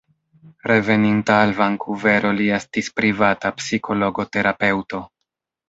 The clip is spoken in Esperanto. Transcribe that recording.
Reveninta al Vankuvero li estis privata psikologo-terapeuto.